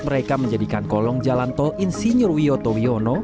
mereka menjadikan kolong jalan tol insinyur wiyoto wiono